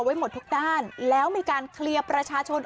ไว้หมดทุกด้านแล้วมีการเคลียร์ประชาชน